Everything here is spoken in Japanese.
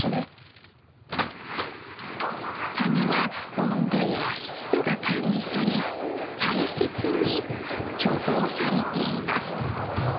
種は温度や湿度が管理され大切に貯蔵されています。